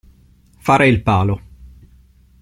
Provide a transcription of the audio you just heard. Fare il palo.